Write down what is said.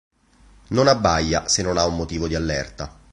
Non abbaia se non ha un motivo di allerta.